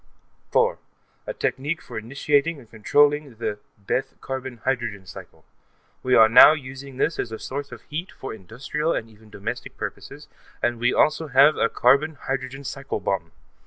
4.) A technique for initiating and controlling the Bethe carbon hydrogen cycle. We are now using this as a source of heat for industrial and even domestic purposes, and we also have a carbon hydrogen cycle bomb.